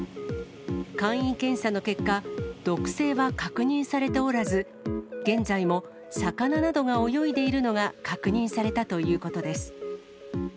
簡易検査の結果、毒性は確認されておらず、現在も魚などが泳いでいるのが確認されたということです。